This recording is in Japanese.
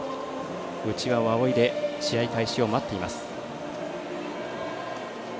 うちわをあおいで試合開始を待っています。